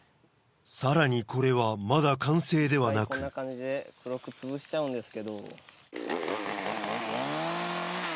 さらにこれはまだ完成ではなく黒くつぶしちゃうんですけど。